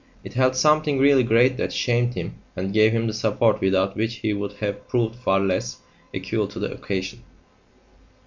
It held something really great that shamed him and gave him the support without which he would have proved far less equal to the occasion.